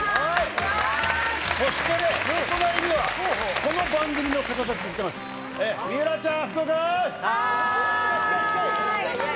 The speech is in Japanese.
そしてね、その隣には、この番組の方たちも来てます、水卜ちゃん、はーい。